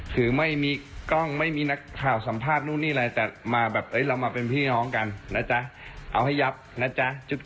คือไม่มีกล้องไม่มีนักข่าวสัมภาษณ์นู่นนี่อะไรแต่มาแบบเรามาเป็นพี่น้องกันนะจ๊ะเอาให้ยับนะจ๊ะ